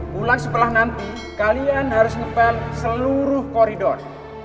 pulang setelah nanti kalian harus ngepel seluruh koridor